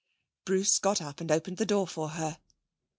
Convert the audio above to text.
Bruce got up and opened the door for her.